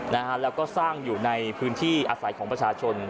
นะฮะแล้วก็สร้างอยู่ในพื้นที่อาศัยของประชาชน